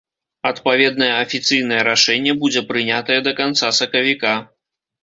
Адпаведнае афіцыйнае рашэнне будзе прынятае да канца сакавіка.